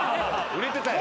売れてたよ。